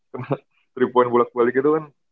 kena tiga point bulat balik itu kan